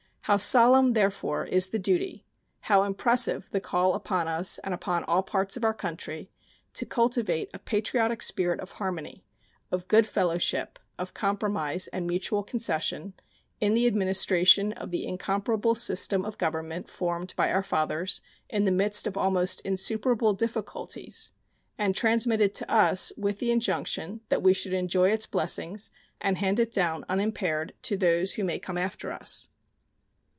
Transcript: How solemn, therefore, is the duty, how impressive the call upon us and upon all parts of our country, to cultivate a patriotic spirit of harmony, of good fellowship, of compromise and mutual concession, in the administration of the incomparable system of government formed by our fathers in the midst of almost insuperable difficulties, and transmitted to us with the injunction that we should enjoy its blessings and hand it down unimpaired to those who may come after us.